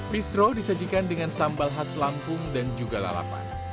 bistro disajikan dengan sambal khas lampung dan juga lalapan